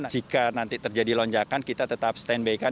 jika nanti terjadi lonjakan kita tetap stand by kan